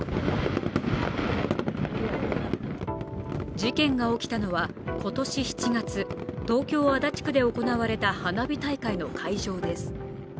事件が起きたのは今年７月、東京・足立区で行われた花火大会の会場です。